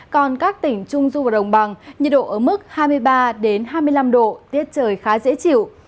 còn các tỉnh trung du và đồng bằng nhiệt độ ở mức hai mươi ba hai mươi năm độ tiết trời khá dễ chịu